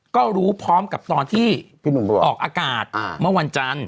ก็รู้พร้อมกับตอนที่พี่หนุ่มออกอากาศเมื่อวันจันทร์